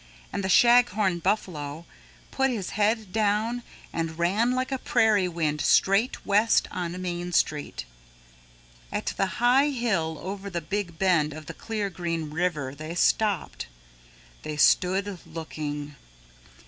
And the Shaghorn Buffalo put his head down and ran like a prairie wind straight west on Main Street. At the high hill over the big bend of the Clear Green River they stopped. They stood looking.